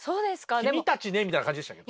君たちねみたいな感じでしたけど。